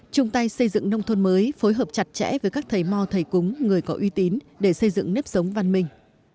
chung tay xây dựng nông thôn mới phối hợp chặt chẽ với các thầy mò thầy cúng người có uy tín để xây dựng nếp sống văn minh